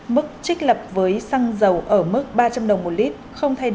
mức trích lập với xăng dầu ở mức ba trăm linh đồng một lít